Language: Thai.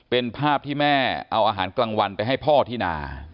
เป็นภาพที่แม่เอาอาหารกลางวันไปให้พ่อที่นา